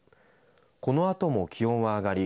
このあとも気温は上がり